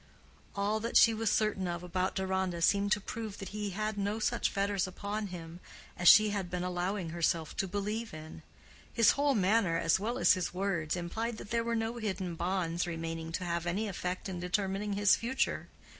All that she was certain of about Deronda seemed to prove that he had no such fetters upon him as she had been allowing herself to believe in. His whole manner as well as his words implied that there were no hidden bonds remaining to have any effect in determining his future.